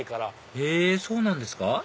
へぇそうなんですか？